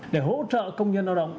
để hỗ trợ công nhân lao động